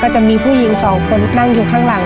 จะมีผู้หญิงสองคนนั่งอยู่ข้างหลัง